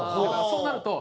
そうなると。